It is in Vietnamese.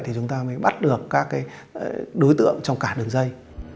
thì chúng ta mới bắt được các đối tượng trong cả đường dây